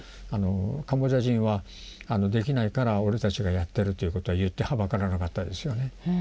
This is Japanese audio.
カンボジア人はできないから俺たちがやってるということは言ってはばからなかったですよね。